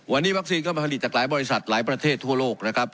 วันนี้วัคซีนก็มาผลิตจากหลายบริษัทหลายประเทศทั่วโลกนะครับ